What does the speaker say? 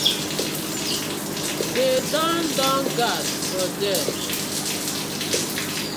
De don don gas for dier.